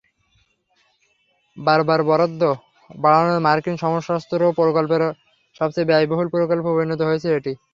বারবার বরাদ্দ বাড়ানোয় মার্কিন সমরাস্ত্র প্রকল্পের সবচেয়ে ব্যয়বহুল প্রকল্পে পরিণত হয়েছে এটি।